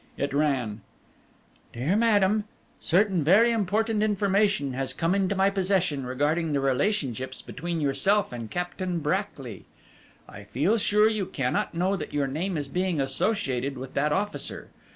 It ran: "DEAR MADAM, "Certain very important information has come into my possession regarding the relationships between yourself and Captain Brackly. I feel sure you cannot know that your name is being associated with that officer.